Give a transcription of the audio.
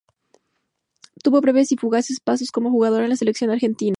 Tuvo breves y fugaces pasos como jugador en la Selección de Argentina.